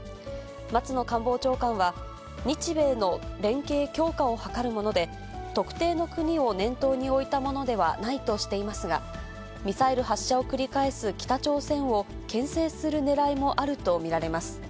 松野官房長官は、日米の連携強化を図るもので、特定の国を念頭に置いたものではないとしていますが、ミサイル発射を繰り返す北朝鮮をけん制するねらいもあると見られます。